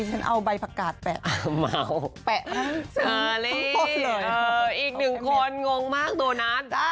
ฉันเอาใบผักกาดแปะแปะอีกหนึ่งคนงงมากโตนัส